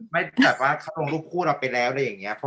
ไม่แบบว่าเข้าลงรูปคู่เราไปแล้วหรืออย่างนี้